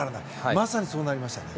まさにそうなりましたね。